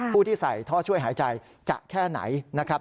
ผู้ที่ใส่ท่อช่วยหายใจจะแค่ไหนนะครับ